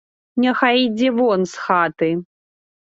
Няхай ідзе вон з хаты!